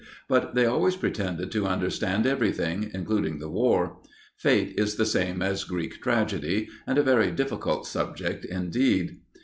But they always pretend to understand everything, including the War. Fate is the same as Greek tragedy, and a very difficult subject indeed.